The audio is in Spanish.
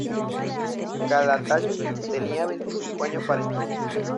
Calatayud tenía veinticinco años para entonces.